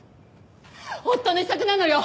夫の遺作なのよ！